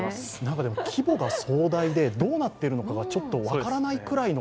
規模が壮大で、どうなっているのかが分からないくらいの。